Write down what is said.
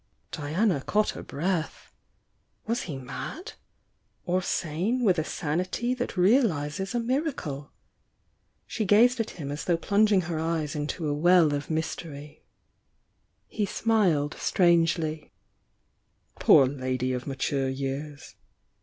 Diana caught her breath. Was he mad? — or sane with a sanity that realises a miracle? She gazed at him as though plunging her eyes into a well of mys tery. He smiled strangely. "Poor lady of mature years!"